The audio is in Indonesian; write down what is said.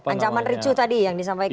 ancaman ricu tadi yang disampaikan